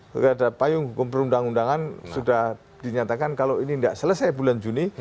ketika ada payung hukum perundang undangan sudah dinyatakan kalau ini tidak selesai bulan juni